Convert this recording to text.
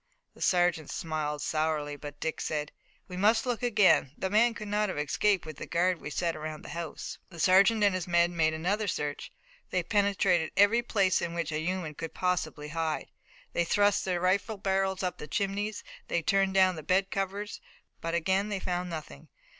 The sergeant smiled sourly, but Dick said: "We must look again. The man could not have escaped with the guard that we've set around the house." The sergeant and his men made another search. They penetrated every place in which a human being could possibly hide. They thrust their rifle barrels up the chimneys, and they turned down the bed covers, but again they found nothing.